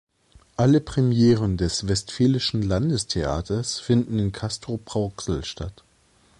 Alle Premieren des "Westfälischen Landestheaters" finden in Castrop-Rauxel statt.